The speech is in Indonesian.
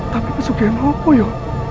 tapi pesukihan apa ya